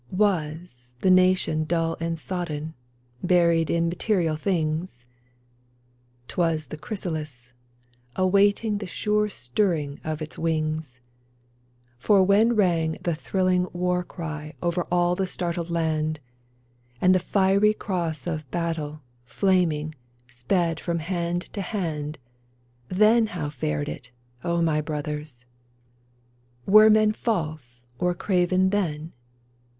IVas the nation dull and sodden, Buried in material things ? 'Twas the chrysalis, awaiting The sure stirring of its wings ! For when rang the thrilling war cry Over all the startled land, 128 GETTYSBURG And the fiery cross of battle, Flaming, sped from hand to hand, Then how fared it, O my brothers ? Were men false or craven then